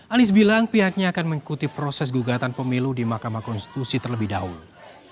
anies bilang pihaknya akan mengikuti proses gugatan pemilu di mahkamah konstitusi terlebih dahulu